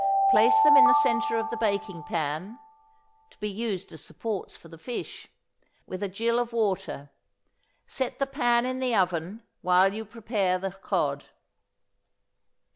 Place them in the centre of the baking pan (to be used as supports for the fish), with a gill of water. Set the pan in the oven while you prepare the cod.